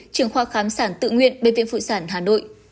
trường khoa khám sản tự nguyện bệnh viện phụ sản hà nội